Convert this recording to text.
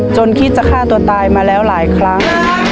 คิดจะฆ่าตัวตายมาแล้วหลายครั้ง